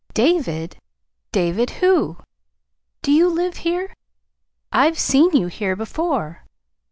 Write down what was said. "David! David who? Do you live here? I've seen you here before."